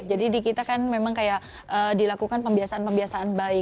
jadi di kita kan memang kayak dilakukan pembiasaan pembiasaan baik